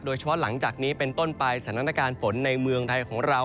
หลังจากนี้เป็นต้นไปสถานการณ์ฝนในเมืองไทยของเรา